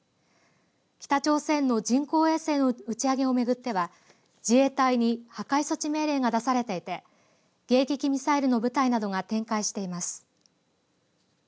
北朝鮮の人工衛星の打ち上げを巡っては自衛隊に破壊措置命令が出されていて迎撃ミサイルの部隊などが展開しています。